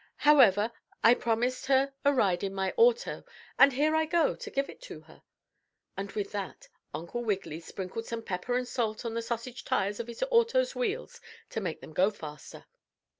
However, I promised her a ride in my auto, and here I go to give it to her," and with that Uncle Wiggily sprinkled some pepper and salt on the sausage tires of his auto's wheels to make them go faster.